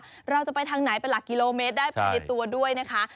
เราจะไปทางไหนเป็นหลักกิโลเมตรได้ภายในตัวด้วยนะคะ